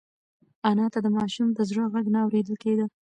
انا ته د ماشوم د زړه غږ نه اورېدل کېده.